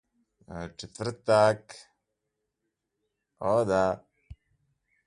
He is widely considered to be one of the greatest players of all time.